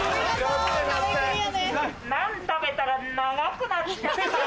ナン食べたら長くなっちゃった。